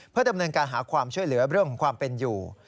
เพื่อดำเนินการหาความช่วยเหลือเรื่องของความเป็นอยู่